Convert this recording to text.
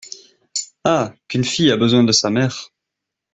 Ah ! qu’une fille a besoin de sa mère !